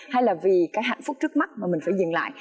hay là vì cái hạnh phúc trước mắt mà mình phải dừng lại